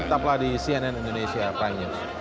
tetaplah di cnn indonesia prime news